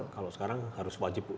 kalau sekarang harus wajib